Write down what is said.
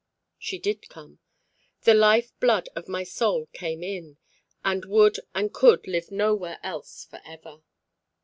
She did come. That life blood of my soul came in, and would and could live nowhere else for ever.